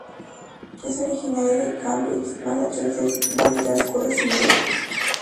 Es originaria de Cambridge, Massachusetts, donde transcurre su vida.